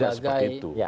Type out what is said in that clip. tidak seperti itu